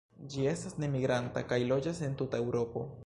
Ĝi estas nemigranta, kaj loĝas en tuta Eŭropo.